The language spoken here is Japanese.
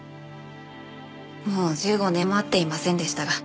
もう１５年も会っていませんでしたが。